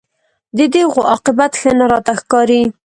د دې غوا عاقبت ښه نه راته ښکاري